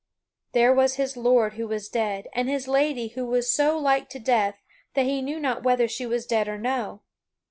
There was his lord who was dead and his lady who was so like to death that he knew not whether she was dead or no.